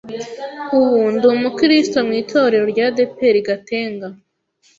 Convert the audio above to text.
ubu ndi umukiristo mu itorero rya ADEPR Gatenga,